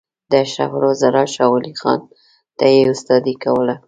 د اشرف الوزرا شاولي خان ته یې استادي کوله.